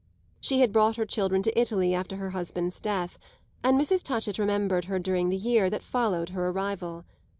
She had brought her children to Italy after her husband's death, and Mrs. Touchett remembered her during the year that followed her arrival.